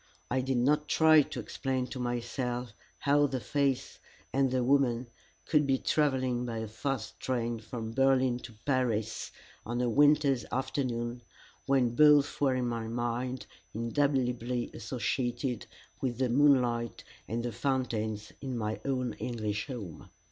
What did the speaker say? I did not try to explain to myself how the face, and the woman, could be travelling by a fast train from Berlin to Paris on a winter's afternoon, when both were in my mind indelibly associated with the moonlight and the fountains in my own English home.